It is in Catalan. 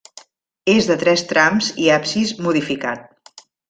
És de tres trams i absis modificat.